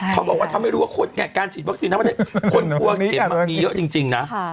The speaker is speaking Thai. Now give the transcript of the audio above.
เขาบอกว่าเขาไม่รู้ว่าคนไงการฉีดวัคซีนคนกลัวเข็มมันมีเยอะจริงนะ